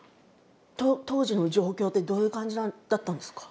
当時の状況ってどういう感じだったんですか？